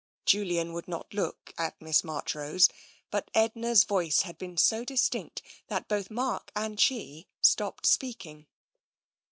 Julian would not look at Miss Marchrose, but Edna's voice had been so distinct that both Mark and she stopped speaking.